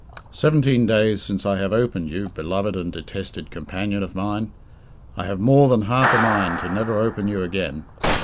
Seventeen days since I have opened you, beloved and detested companion of mine. I have more than half a mind to never open you again!